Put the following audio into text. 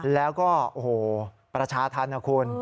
แล้วก็โอ้โหประชาธรรมนะคุณ